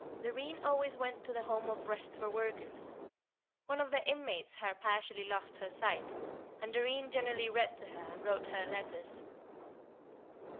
Doreen always went to the Home of Rest for Workers. One of the inmates had partially lost her sight, and Doreen generally read to her and wrote her letters.